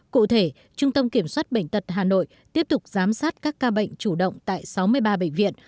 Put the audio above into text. cụ thể trung tâm kiểm soát bệnh tật hà nội tiếp tục giám sát các ca bệnh chủ động tại sáu mươi ba bệnh viện